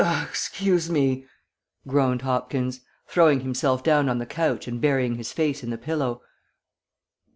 "Excuse me!" groaned Hopkins, throwing himself down on the couch and burying his face in the pillow.